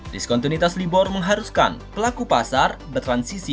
diskontinitas libur mengharuskan pelaku pasar bertransisi